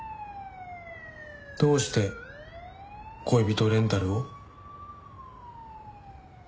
どうして恋人レンタルを？